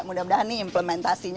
mudah mudahan ini implementasinya